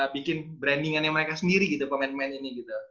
bikin branding nya mereka sendiri gitu pemain pemain ini